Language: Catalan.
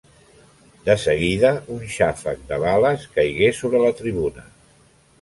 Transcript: De seguida un xàfec de bales caigué sobre la tribuna.